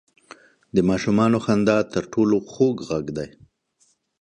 • د ماشومانو خندا تر ټولو خوږ ږغ دی.